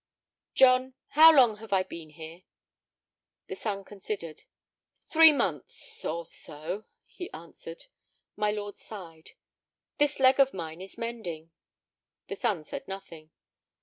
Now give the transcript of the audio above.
"John, how long have I been here?" The son considered. "Three months—or so," he answered. My lord sighed. "This leg of mine is mending." The son said nothing.